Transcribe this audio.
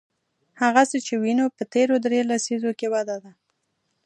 هغه څه چې وینو په تېرو درې لسیزو کې وده ده.